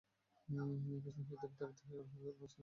একস্থান হইতে বিতাড়িত কর, উহা অন্য কোন স্থানে আশ্রয় লইবে।